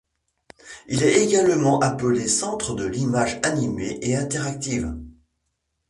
Il est également appelé Centre de l’image animée et interactive.